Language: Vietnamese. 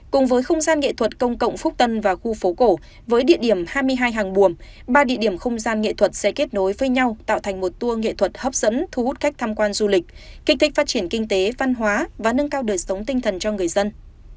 cùng với không gian nghệ thuật công cộng phúc tân và khu phố cổ với địa điểm hai mươi hai hàng buồm ba địa điểm không gian nghệ thuật sẽ kết nối với nhau tạo thành một tour nghệ thuật hấp dẫn thu hút khách tham quan du lịch kích thích phát triển kinh tế văn hóa và nâng cao đời sống tinh thần cho người dân